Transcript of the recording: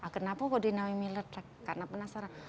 kenapa kok dinamai mie letek karena penasaran